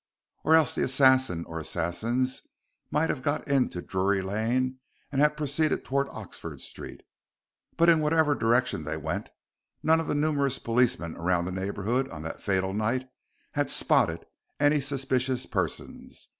Or else the assassin or assassins might have got into Drury Lane and have proceeded towards Oxford Street. But in whatever direction they went, none of the numerous policemen around the neighborhood on that fatal night had "spotted" any suspicious persons.